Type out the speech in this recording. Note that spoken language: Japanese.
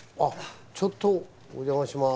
ちょっとお邪魔します。